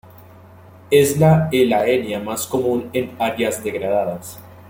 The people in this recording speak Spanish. Es la "Elaenia" más común en áreas degradadas.